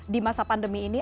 di masa pandemi ini